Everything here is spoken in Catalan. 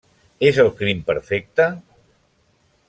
És el crim perfecte?